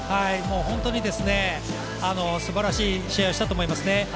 本当にすばらしい試合をしたと思いますね。